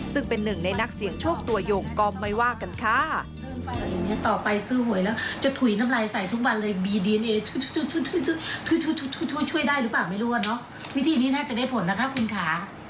ซึ่งเป็นหนึ่งในนักเสี่ยงโชคตัวยงก็ไม่ว่ากันค่ะ